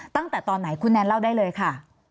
ตั้งแต่ตอนไหนคุณแนนเล่าได้เลยค่ะ